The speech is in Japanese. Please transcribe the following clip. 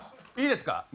いいですか？